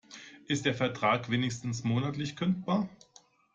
Ist der Vertrag wenigstens monatlich kündbar?